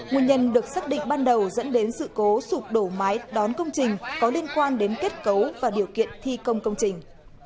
nguyên nhân được xác định ban đầu dẫn đến sự cố sụp đổ mái đón công trình có liên quan đến kết cấu và điều kiện thi công công trình